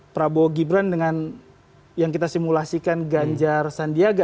prabowo gibran dengan yang kita simulasikan ganjar sandiaga